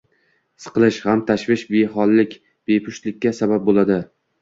Siqilish, g‘am-tashvish, behollik bepushtlikka sabab bo‘ladi.